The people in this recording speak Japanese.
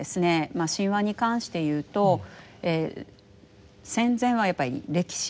神話に関して言うと戦前はやっぱり歴史だったわけですね。